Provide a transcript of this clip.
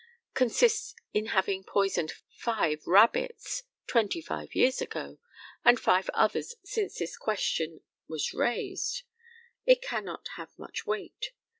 consists in having poisoned five rabbits twenty five years ago, and five others since this question was raised, it cannot have much weight.